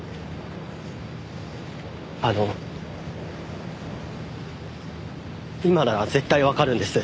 あの今なら絶対わかるんです。